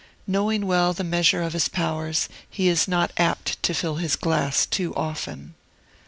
Knowing well the measure of his powers, he is not apt to fill his glass too often.